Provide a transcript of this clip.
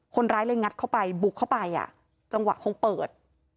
คนร้ายเลยงัดเข้าไปบุกเข้าไปอ่ะจังหวะคงเปิด